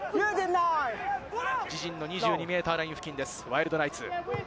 自陣の２２ｍライン付近です、ワイルドナイツ。